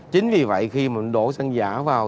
chính vì vậy khi mà đổ xăng giả vào